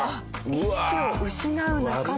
意識を失う仲間。